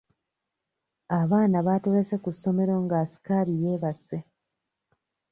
Abaana baatolose ku ssomero nga asikaali yeebase.